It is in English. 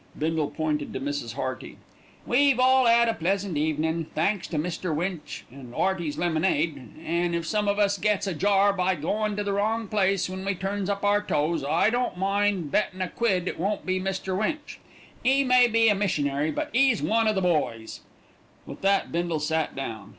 Bindle pointed to Mrs. Hearty. "We've all 'ad a pleasant evenin', thanks to Mr. Winch an 'Earty's lemonade; an' if some of us gets a jar by goin' to the wrong place when we turns up our toes, I don't mind bettin' a quid it won't be Mr. Winch. 'E may be a missionary, but 'e's one o' the bhoys." With that Bindle sat down.